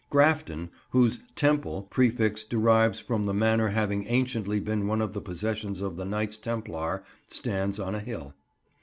Grafton, whose "Temple" prefix derives from the manor having anciently been one of the possessions of the Knights Templar, stands on a hill.